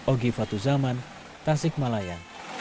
ogi fatu zaman tasik malaya